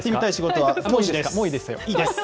もういいですよ。